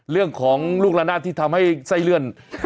เรื่องของลูกละนาดที่ทำให้ไส้เลื่อน